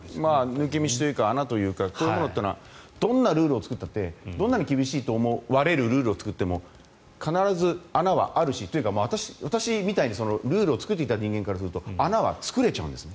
抜け道というか穴というかこういうのはどんなルールを作ってもどんなに厳しいと思われるルールを作っても、穴はあるしというか私みたいにルールを作っていた人間からすると穴は作れちゃうんですね。